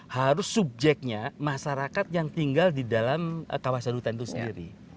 harus subjeknya masyarakat yang tinggal di dalam kawasan hutan itu sendiri